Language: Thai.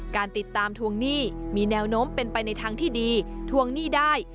การติดตามทวงหนี้มีแนวโน้มเป็นไปในทางที่ดีทวงหนี้ได้